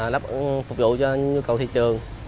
đáp ứng phục vụ cho nhu cầu thị trường